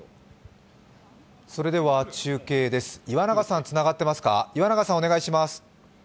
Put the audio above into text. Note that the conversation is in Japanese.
中継です、岩永さん、つながっていますか？